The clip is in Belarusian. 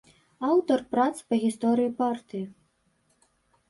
Аўтар прац па гісторыі партыі.